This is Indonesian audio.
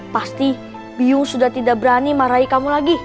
pasti biyu sudah tidak berani marahi kamu lagi